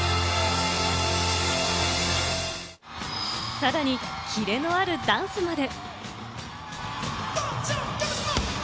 さらにキレのあるダンスまで。